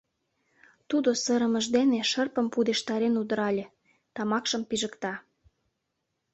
Тудо сырымыж дене шырпым пудештарен удырале, тамакшым пижыкта.